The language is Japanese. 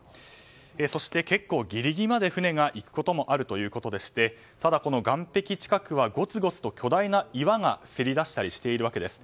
そして、結構ぎりぎりまで船が行くこともあるということでしてただ、この岸壁近くはごつごつと巨大な岩がせり出したりしているわけです。